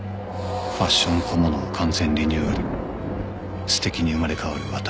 「ファッション小物を完全リニューアル」「素敵に生まれ変わる私」